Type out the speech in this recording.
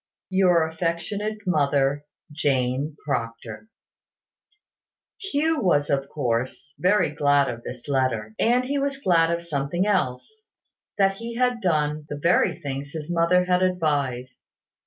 "Your affectionate mother, "Jane Proctor." Hugh was, of course, very glad of this letter. And he was glad of something else; that he had done the very things his mother had advised.